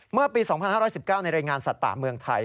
เมื่อปี๒๕๑๙ในรายงานสัตว์ป่าเมืองไทย